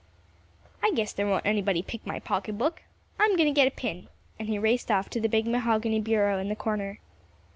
"I guess there won't anybody pick my pocket book. I'm going to get a pin," and he raced off to the big mahogany bureau in the corner.